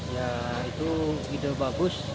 ya itu ide bagus